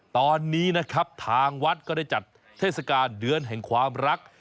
ตอนนี้นะครับทางวัดก็ได้จัดเทศกาลเดือนแห่งความรัก